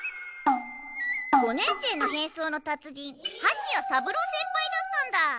五年生の変装の達人はちや三郎先輩だったんだ！